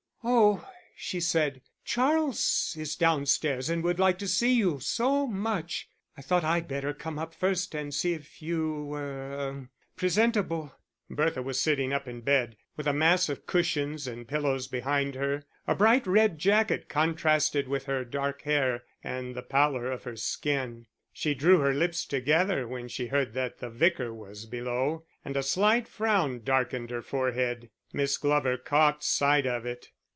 "Oh," she said, "Charles is downstairs and would like to see you so much. I thought I'd better come up first to see if you were er presentable." Bertha was sitting up in bed, with a mass of cushions and pillows behind her a bright red jacket contrasted with her dark hair and the pallor of her skin. She drew her lips together when she heard that the Vicar was below, and a slight frown darkened her forehead. Miss Glover caught sight of it.